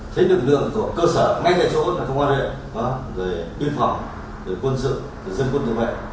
thế lực lượng của cơ sở ngay tại chỗ là không có điện rồi biên phòng rồi quân sự rồi dân quân rồi vậy